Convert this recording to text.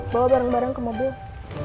bawa bareng bareng ke mobil